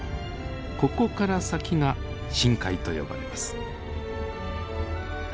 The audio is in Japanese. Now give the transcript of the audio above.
ここから先が深海と呼ばれます。